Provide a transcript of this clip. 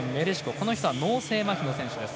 この人は脳性まひの選手です。